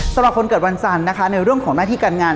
สำหรับคนเกิดวันจันทร์นะคะในเรื่องของหน้าที่การงาน